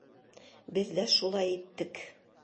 Беҙ ҙә шулай иттек.